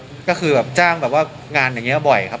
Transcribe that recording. เหมือนกับว่าก็คือแบบจ้างแบบว่างานอย่างเงี้ยบ่อยครับ